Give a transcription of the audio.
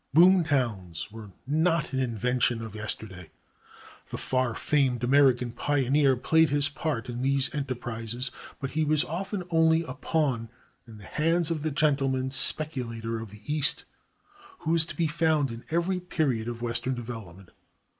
Boom towns were not an invention of yesterday. The far famed American pioneer played his part in these enterprises, but he was often only a pawn in the hands of the gentleman speculator of the East, who is to be found in every period of western development.